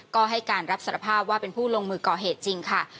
ก็ให้การรับสารภาพว่าเป็นผู้ลงมือก่อเหตุจริงค่ะ